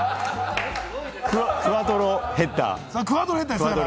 クワトロヘッダー。